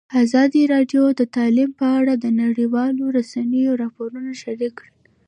ازادي راډیو د تعلیم په اړه د نړیوالو رسنیو راپورونه شریک کړي.